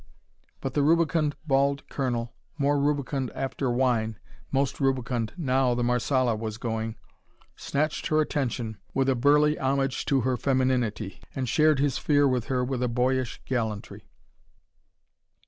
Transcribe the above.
But the rubicund bald colonel, more rubicund after wine, most rubicund now the Marsala was going, snatched her attention with a burly homage to her femininity, and shared his fear with her with a boyish gallantry.